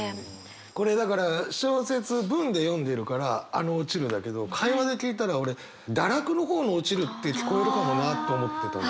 これだから小説文で読んでるからあの「落ちる」だけど会話で聞いたら俺「堕落」の方の「堕ちる」って聞こえるかもなって思ってた。